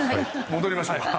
戻りましょうか。